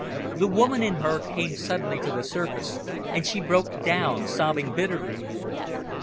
The woman in her came suddenly to the surface, and she broke down, sobbing bitterly.